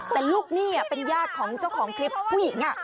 แต่ลูกหนี้เป็นญาติของเจ้าของคลิปผู้หญิง